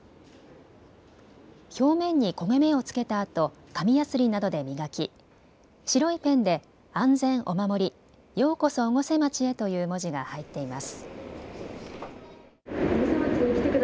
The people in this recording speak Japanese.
表面に焦げ目を付けたあと紙やすりなどで磨き白いペンで安全御守ようこそ越生町へという文字が入っています。